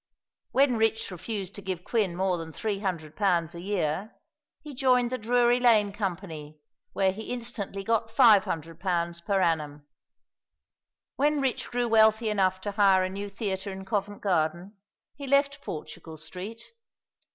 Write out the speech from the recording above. When Rich refused to give Quin more than £300 a year, he joined the Drury Lane company, where he instantly got £500 per annum. When Rich grew wealthy enough to hire a new theatre in Covent Garden, he left Portugal Street.